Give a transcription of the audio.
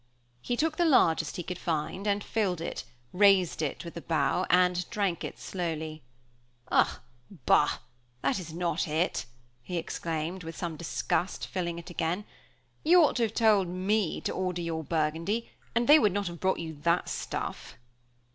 He took the largest he could find, and filled it, raised it with a bow, and drank it slowly. "Ah! ah! Bah! That is not it," he exclaimed, with some disgust, filling it again. "You ought to have told me to order your Burgundy, and they would not have brought you that stuff."